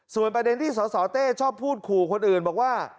ส่วนประเด็นที่สสเต้ชอบพูดขู่คนอื่นบอกว่า